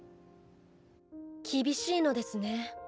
厳しいのですね。